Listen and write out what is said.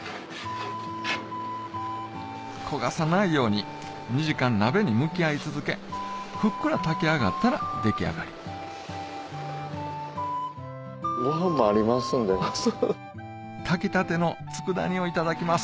焦がさないように２時間鍋に向き合い続けふっくら炊き上がったら出来上がり炊きたての佃煮をいただきます